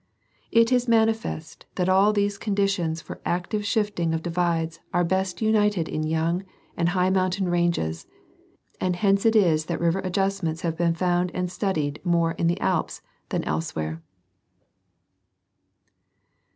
It is manifest that all these conditions for active shifting of divides are best united in young and high mountain ranges, and hence it is that river adjustments have been found and studied more in the Alps than elsewhere.